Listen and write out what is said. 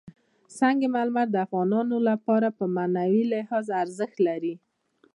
سنگ مرمر د افغانانو لپاره په معنوي لحاظ ارزښت لري.